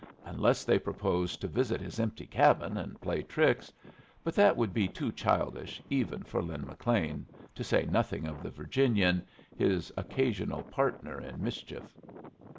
Unless they proposed to visit his empty cabin and play tricks but that would be too childish, even for Lin McLean, to say nothing of the Virginian, his occasional partner in mischief.